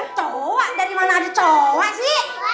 kecoa dari mana ada kecoa sih